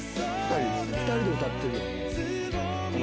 ２人で歌ってるよね。